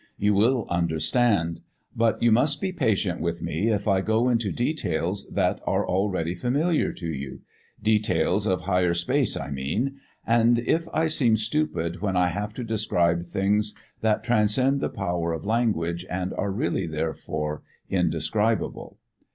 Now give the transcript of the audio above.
You will understand. But you must be patient with me if I go into details that are already familiar to you details of Higher Space, I mean and if I seem stupid when I have to describe things that transcend the power of language and are really therefore indescribable."